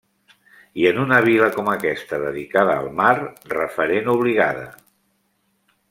I en una vila com aquesta dedicada al mar, referent obligada.